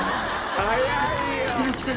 「早い」